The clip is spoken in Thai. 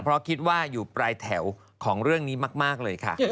เพราะคิดว่าอยู่ปลายแถวของเรื่องนี้มากเลยค่ะ